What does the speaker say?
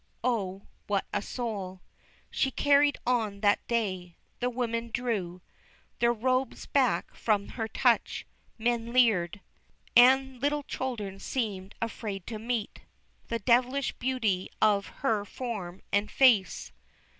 O, what a soul She carried on that day! The women drew Their robes back from her touch, men leered, And little children seemed afraid to meet The devilish beauty of her form and face.